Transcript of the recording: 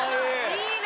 いいね！